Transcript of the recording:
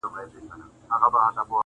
دا قیامت چي هر چا ولېدی حیران سو!.